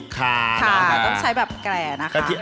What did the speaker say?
ขาต้องใช้แบบแกร่